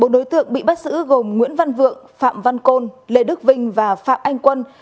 sáu đối tượng bị bắt giữ gồm nguyễn văn vượng phạm văn côn lê đức vinh và phạm anh quân